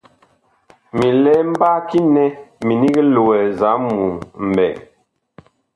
Mi lɛ mbaki nɛ minig loɛ nzahmu ɓɛɛŋ.